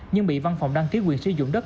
nhưng bị văn phòng đăng ký quyền sử dụng đất